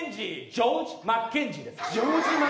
ジョージ・マッケンジー。